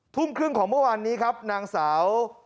ทุ่มครึ่งของเมื่อวานนี้ครับนางสาว